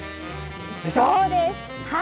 そうです！